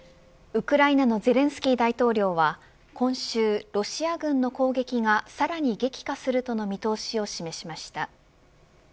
ウクライナのゼレンスキー大統領は今週、ロシア軍の攻撃がさらに激化するとの見通しを示しました。